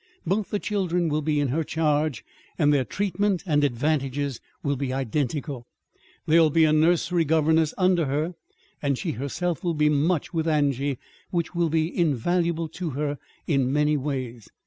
Both the children will be in her charge, and their treatment and advantages will be identical. There will be a nursery governess under her, and she herself will be much with Angie, which will be invaluable to her, in many ways.